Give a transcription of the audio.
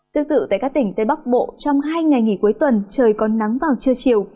tương tự tại các tỉnh tây bắc bộ trong hai ngày nghỉ cuối tuần trời có nắng vào trưa chiều